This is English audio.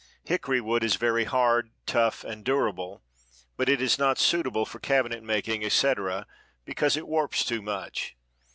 Hickory wood is very hard, tough and durable, but it is not suitable for cabinet making, etc., because it warps too much.